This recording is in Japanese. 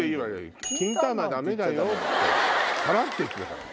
「キンタマダメだよ」ってさらっと言ってたから。